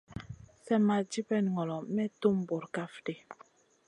Slèmma dibèt ŋolo may tum bura kaf ɗi.